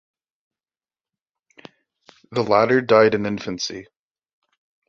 The latter died in infancy.